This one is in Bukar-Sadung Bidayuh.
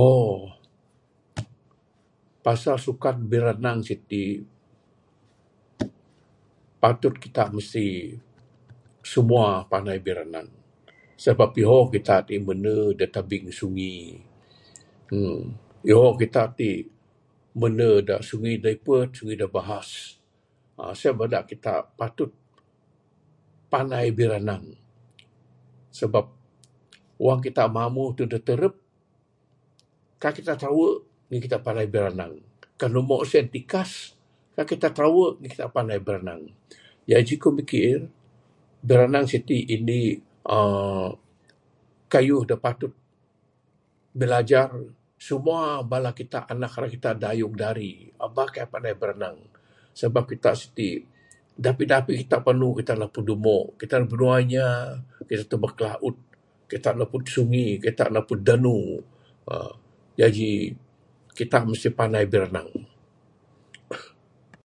Ohh.. pasal sukan birenang siti patut Kita mesti semua pandai birenang, sabab ihong Kita t minde dak teping sungi eee ihong Kita t minde dak sungi dak ipet sungi dak bahas uhh Seh beda Kita patut pandai birenang sabab Wang Kita mamuh da pente terep kai Kita terewu ngin Kita pandai birenang. Kan umo sien tikas kai Kita tirewu ngin Kita pandai birenang. Jaji ku mikir biranang siti indi uhh keyuh dak patut bilajar semua bala Kita Anak dayung darik eba kai pandai biranang, sabab Kita siti dapih dapih Kita panu Kita naput umok Kita ndek binua inya Kita tebuk laut Kita naput sungi Kita naput danu uhh janji Kita mesti pandai biranang.